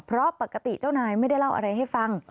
เพราะปกติเจ้านายไม่ได้เล่าอะไรให้ฟัง